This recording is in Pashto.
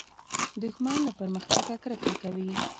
دښمن له پرمختګه کرکه کوي